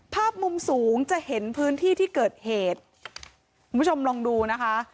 ภาพมุมสูงจะเห็นพื้นที่ที่เกิดเหตุคุณผู้ชมลองดูนะคะ